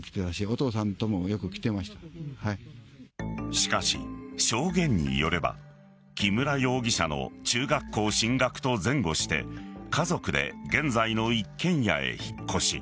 しかし、証言によれば木村容疑者の中学校進学と前後して家族で現在の一軒家へ引っ越し。